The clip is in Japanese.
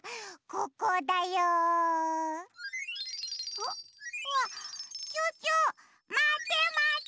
お？わちょうちょまてまて！